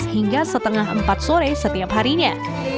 hingga setengah empat sore setiap harinya